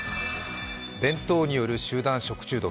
弁当による集団食中毒。